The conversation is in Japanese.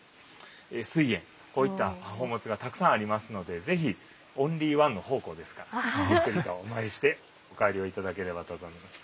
こういった宝物がたくさんありますので是非オンリーワンの宝庫ですからゆっくりとお参りしてお帰りを頂ければと存じます。